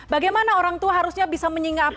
bagaimana orang tua harusnya bisa menyikapi hal ini